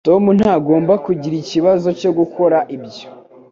Tom ntagomba kugira ikibazo cyo gukora ibyo